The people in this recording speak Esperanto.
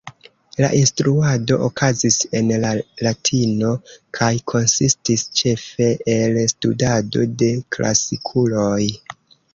La instruado okazis en la latino kaj konsistis ĉefe el studado de klasikuloj.